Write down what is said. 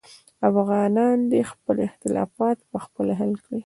افغانان دې خپل اختلافات پخپله حل کړي.